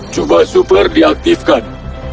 jubah super diaktifkan